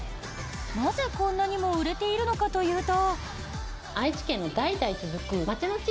なぜ、こんなにも売れているのかというと。